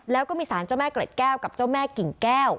แล้วก็มีสารเจ้าแม่เกล็ดแก้วกับเจ้าแม่กิ่งแก้ว